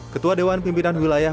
ketua dewan pimpinan wilayah